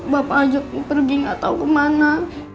bapak ajak aku pergi gak tahu kemana